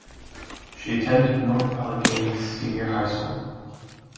She attended North Allegheny Senior High School.